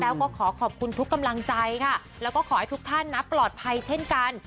แล้วก็ขอขอบคุณทุกกำลังใจค่ะแล้วก็ขอให้ทุกท่านนะปลอดภัยเช่นกัน